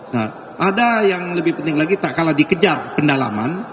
nah ada yang lebih penting lagi tak kalah dikejar pendalaman